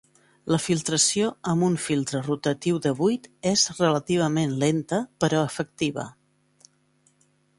La filtració amb un filtre rotatiu de buit és relativament lenta però efectiva.